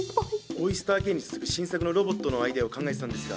オイスターＫに続く新作のロボットのアイデアを考えてたんですが。